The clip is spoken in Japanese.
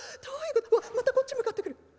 うわっまたこっち向かってくる。